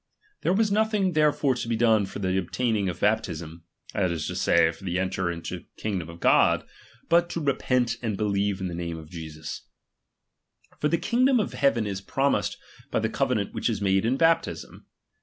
There was nothing therefore to be done for the obtaining of baptism, that is to say, for to en ter into the kingdom of God, but to repent and believe in the name of' Jesus ; for the kingdom of heaven is promised by the covenant which is made in baptism.